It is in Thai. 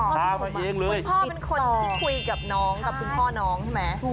พาไปเองเลยคุณพ่อเป็นคนที่คุยกับน้องกับคุณพ่อน้องใช่ไหม